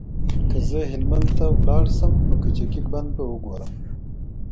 که زه هلمند ته لاړ شم، نو کجکي بند به وګورم.